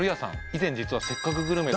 以前実は「せっかくグルメ！！」